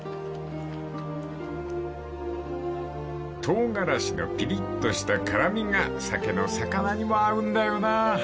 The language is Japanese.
［トウガラシのピリッとした辛味が酒のさかなにも合うんだよな］